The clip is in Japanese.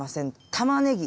たまねぎ。